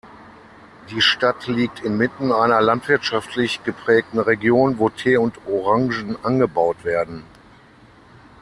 Die Stadt liegt inmitten einer landwirtschaftlich geprägten Region, wo Tee und Orangen angebaut werden.